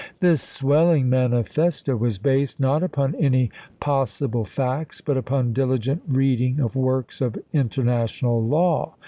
This swelling manifesto was based, not upon any pos sible facts, but upon diligent reading of works of international law.